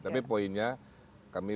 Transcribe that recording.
tapi poinnya kami